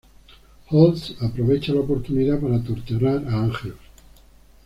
Holtz aprovecha la oportunidad para torturar a Ángelus.